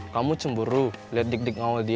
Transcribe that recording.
kamu cemburu liat digdig ngawal dia